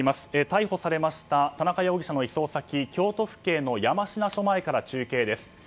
逮捕されました田中容疑者の移送先京都府警の山科署前から中継です。